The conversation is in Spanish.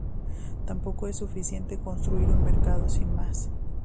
Tampoco es suficiente construir un mercado sin más.